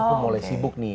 aku mulai sibuk nih